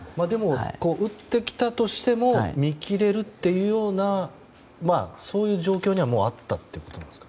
打ってきたとしても見切れるというようなそういう状況にはもうあったということですか？